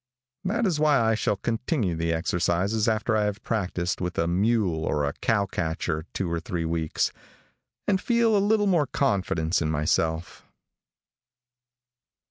That is why I shall continue the exercises after I have practiced with a mule or a cow catcher two or three weeks, and feel a little more confidence in myself.